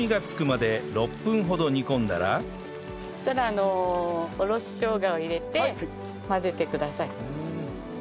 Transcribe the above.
そしたらあのおろししょうがを入れて混ぜてください。